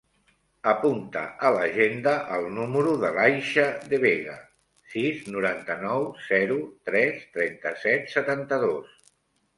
Apunta a l'agenda el número de l'Aisha De Vega: sis, noranta-nou, zero, tres, trenta-set, setanta-dos.